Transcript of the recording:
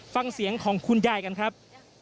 ฟังเสียงของคุณยายกันครับ